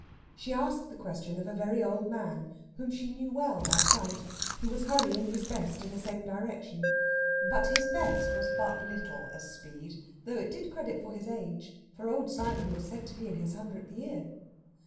She asked the question of a very old man, whom she knew well by sight, who was hurrying his best in the same direction. But his best was but little, as speed, though it did credit to his age; for old Simon was said to be in his hundredth year.